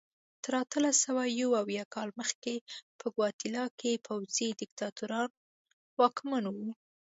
تر اتلس سوه یو اویا کال مخکې په ګواتیلا کې پوځي دیکتاتوران واکمن وو.